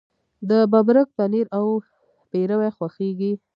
د ببرک پنیر او پیروی خوښیږي.